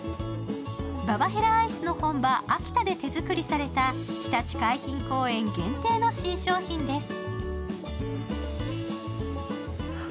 ババヘラアイスの本場・秋田で手作りされたひたち海浜公園限定の新商品です。